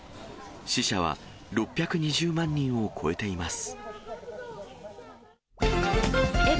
死者は６２０万人を超えています。